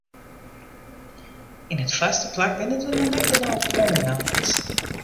Yn it foarste plak binne der net genôch oanmeldings.